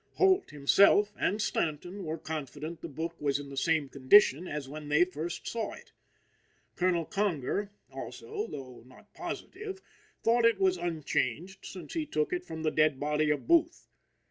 Holt, himself, and Stanton were confident the book was in the same condition as when they first saw it. Colonel Conger, also, though not positive, thought it was unchanged since he took it from the dead body of Booth.